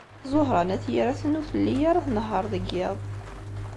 Ẓuhṛa n At Yiraten ur telli ara tnehheṛ deg yiḍ.